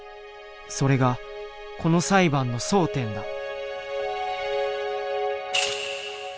それがこの裁判の争点だ。